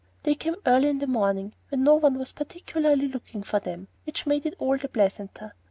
They came early in the morning, when no one was particularly looking for them, which made it all the pleasanter.